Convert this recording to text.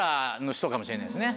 かもしれないですね。